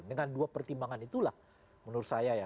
dengan dua pertimbangan itulah menurut saya ya